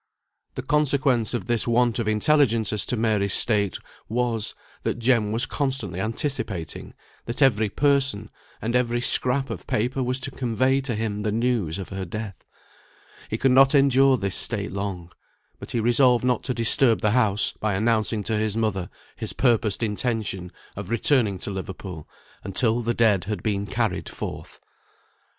The consequence of this want of intelligence as to Mary's state was, that Jem was constantly anticipating that every person and every scrap of paper was to convey to him the news of her death. He could not endure this state long; but he resolved not to disturb the house by announcing to his mother his purposed intention of returning to Liverpool, until the dead had been carried forth.